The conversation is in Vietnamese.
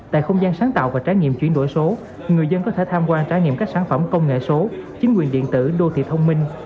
tại không gian sáng tạo và trải nghiệm chuyển đổi số người dân có thể tham quan trải nghiệm các sản phẩm công nghệ số chính quyền điện tử đô thị thông minh